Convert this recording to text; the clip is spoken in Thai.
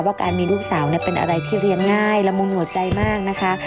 การมีลูกสาวเป็นอะไรที่เรียนง่ายละมุงหัวใจมากนะคะ